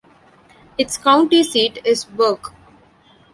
Its county seat is Burke.